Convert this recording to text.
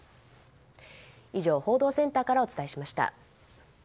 以上、報道センターからお伝えしました。